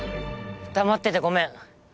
黙っててごめん。